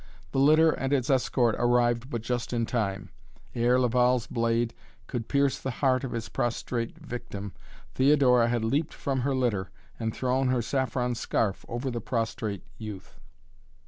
The litter and its escort arrived but just in time. Ere Laval's blade could pierce the heart of his prostrate victim, Theodora had leaped from her litter and thrown her saffron scarf over the prostrate youth.